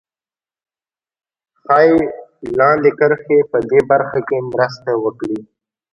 ښایي لاندې کرښې په دې برخه کې مرسته وکړي